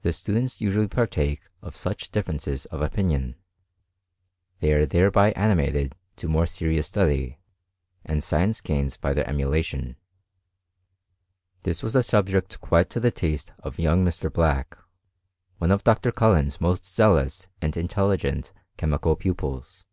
The students usually partake of such diflfiw ^ ences of opinion : they are thereby animated to more serious study, and science gains by their emulation; This was a subject quite to the taste of young Mr,* Black, one of Dr. Cullen's most zealous and intelli ' gent chemical pupils.